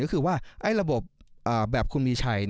ก็คือว่าระบบแบบคุณมีชัย